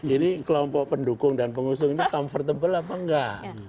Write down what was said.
ini kelompok pendukung dan pengusung ini comfortable apa enggak